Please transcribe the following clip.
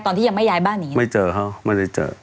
ตอนที่ยังไม่ย้ายบ้านหนีไม่เจอเขาไม่ได้เจอ